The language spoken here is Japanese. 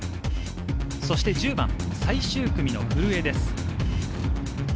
そして１０番、最終組の古江です。